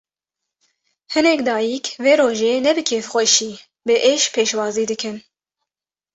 Hinek dayîk, vê rojê ne bi kêfxweşî, bi êş pêşwazî dikin